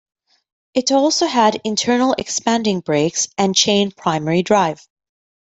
It also had internal expanding brakes and chain primary drive.